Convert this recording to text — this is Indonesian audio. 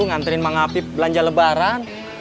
nganterin mak ngapip belanja lebaran